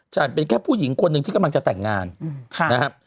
จันทร์เป็นแค่ผู้หญิงคนหนึ่งที่กำลังจะแต่งงานนะฮะ